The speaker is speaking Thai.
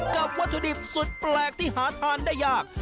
วัตถุดิบสุดแปลกที่หาทานได้ยาก